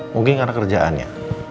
mungkin karena kerjaannya